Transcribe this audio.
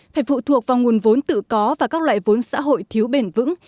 phải phụ thuộc vào nguồn vốn tự có và các loại vốn xã hội thiếu bền vững